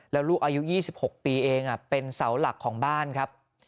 แล้วลูกอายุ๒๖ปีเองเป็นเสาหลักของบ้านครับ